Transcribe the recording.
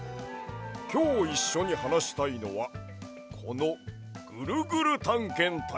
きょういっしょにはなしたいのはこの「ぐるぐるたんけんたい」。